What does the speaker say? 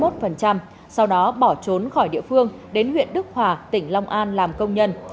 trong đó trung đã bỏ trốn khỏi địa phương đến huyện đức hòa tỉnh long an làm công nhân